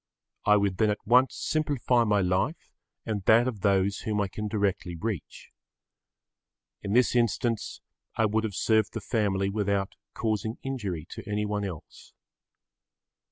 I would then at once simplify my life and that of those whom I can directly reach. In this instance I would have served the family without causing injury to anyone else.